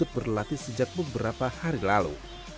dan juga berlatih sejak beberapa hari lalu